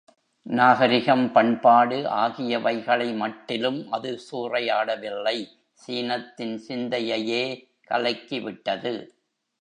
நாகரிகம் பண்பாடு ஆகியவைகளை மட்டிலும் அது சூறையாடவில்லை, சீனத்தின் சிந்தையையே கலக்கிவிட்டது.